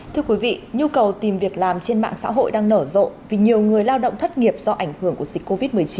thưa quý vị nhu cầu tìm việc làm trên mạng xã hội đang nở rộ vì nhiều người lao động thất nghiệp do ảnh quốc gia